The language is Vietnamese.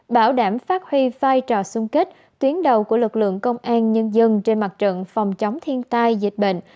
bảo đảm phát huy vai trò sung kích tuyến đầu của lực lượng công an nhân dân trên mặt trận phòng chống thiên tai dịch bệnh